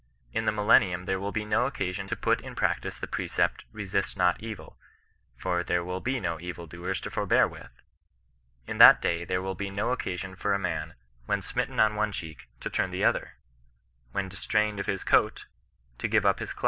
In the mill^i nium there will be no occasion to put in praotice the precept, ^'Eesist not evil;" for there will be no evil doers to forbear with. In that day there will be no occMion for a man, when smitten on one cheek, to turn the other; when distraiaed oi liiia cooi^, td igLy^ up his OHBISTIAN N0H BE8I8TAJrCB.